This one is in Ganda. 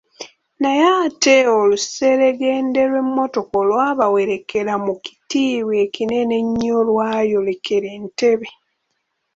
Naye ate oluseregende lw’emotoka olwabawerekera mu kitiibwa ekinene ennyo lwayolekera Entebbe.